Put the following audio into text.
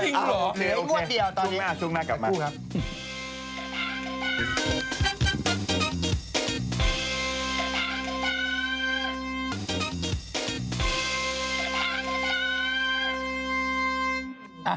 จริงเหรอโอเคโอเคช่วงหน้ากลับมาตอนนี้เหลืองวดเดียว